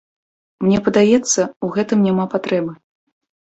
Мне падаецца, у гэтым няма патрэбы.